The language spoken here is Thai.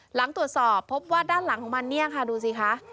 หลังตรวจสอบพบว่าด้านหลังของมันเนี่ยค่ะดูสิคะ